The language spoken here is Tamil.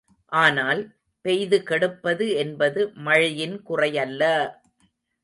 ஆனால், பெய்து கெடுப்பது என்பது மழையின் குறையல்ல!